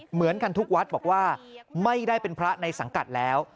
เหมือนกันทุกวัดบอกว่าไม่ได้เป็นพระในสังกัดแล้ว